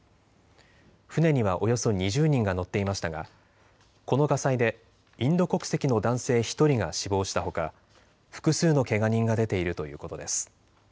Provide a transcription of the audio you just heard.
船にはおよそ２０人が乗っていましたが、この火災でインド国籍の男性１人が死亡したほか複数のけが人が出ているということです。